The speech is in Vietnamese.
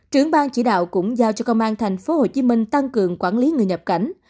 trưởng bang chỉ đạo cũng giao cho công an tp hcm tăng cường quản lý người nhập cảnh